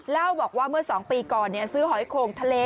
เล่าบอกว่าเมื่อ๒ปีก่อนซื้อหอยโขงทะเล